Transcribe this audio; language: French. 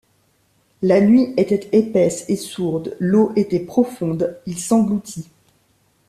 La nuit était épaisse et sourde, l’eau était profonde, il s’engloutit.